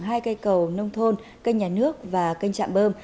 hai cây cầu nông thôn cây nhà nước và cây chạm bơm